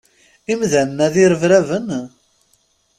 Imdanen-a d irebraben?